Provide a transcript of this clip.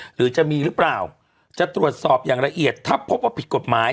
หรือจะมีหรือเปล่าจะตรวจสอบอย่างละเอียดถ้าพบว่าผิดกฎหมาย